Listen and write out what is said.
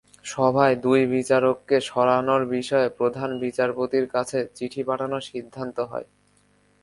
সভায় দুই বিচারককে সরানোর বিষয়ে প্রধান বিচারপতির কাছে চিঠি পাঠানোর সিদ্ধান্ত হয়।